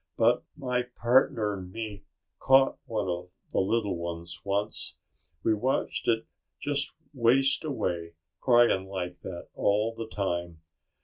"But my partner'n me caught one of the little ones once. We watched it just waste away, crying like that all the time.